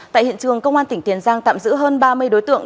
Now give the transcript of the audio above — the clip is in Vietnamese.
tại hiện trường công an tỉnh tiền giang tạm giữ hơn ba mươi đối tượng